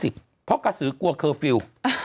เพราะกระสือกลัวเคอร์ฟิลล์